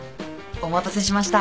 お待たせしました。